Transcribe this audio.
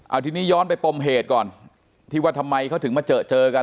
เอาทีนี้ย้อนไปปมเหตุก่อนที่ว่าทำไมเขาถึงมาเจอเจอกัน